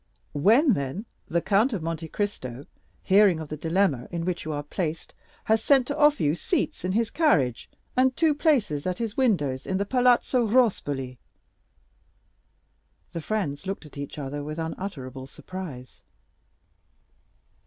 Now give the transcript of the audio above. "When, then, the Count of Monte Cristo, hearing of the dilemma in which you are placed, has sent to offer you seats in his carriage and two places at his windows in the Palazzo Rospoli." The friends looked at each other with unutterable surprise.